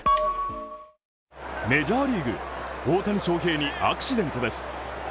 メジャーリーグ・大谷翔平にアクシデントです。